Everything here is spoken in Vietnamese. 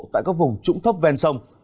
tại các vùng trũng thấp ven sông